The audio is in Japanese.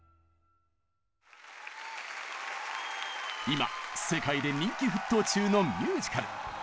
今世界で人気沸騰中のミュージカル。